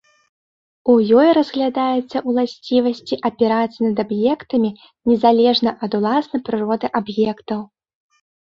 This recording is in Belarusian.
У ёй разглядаюцца ўласцівасці аперацый над аб'ектамі незалежна ад уласна прыроды аб'ектаў.